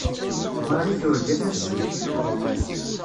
Marie turga tafsut.